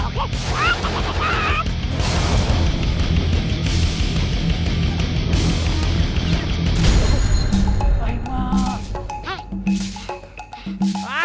mau lagi oke